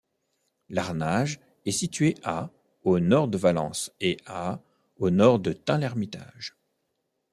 Larnage est situé à au nord de Valence et à au nord de Tain-l'Hermitage.